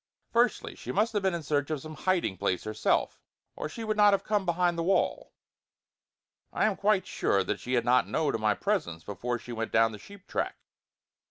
Firstly, she must have been in search of some hiding place herself, or she would not have come behind the wall; I was quite sure that she had not known of my presence before she went down the sheep track.